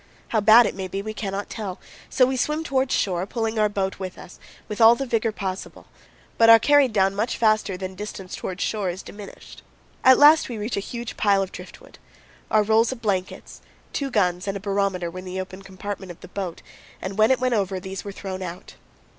How bad it may be we cannot tell; so we swim toward shore, pulling our boat with us, with all the vigor possible, but are carried down much faster than distance toward shore is diminished. At last we reach a huge pile of driftwood. Our rolls of blankets, two guns, and a barometer were in the open compartment of the boat and, when it went over, these were thrown out.